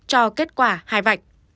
cho kết quả hai vạch